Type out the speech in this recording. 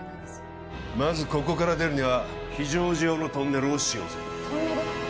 まずここから出るには非常時用のトンネルを使用するトンネル？